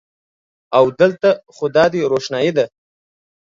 او د لته خو دادی روښنایې ده